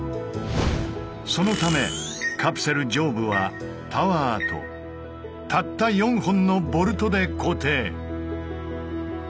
そのためカプセル上部はタワーとたった４本のボルトで固定。